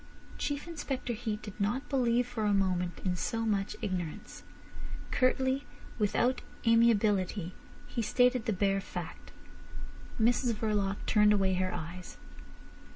Chief Inspector Heat did not believe for a moment in so much ignorance. Curtly, without amiability, he stated the bare fact. Mrs Verloc turned away her eyes.